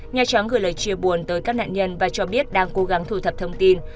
nhà trắng gửi lời chia buồn tới các nạn nhân và cho biết đang cố gắng thu thập thông tin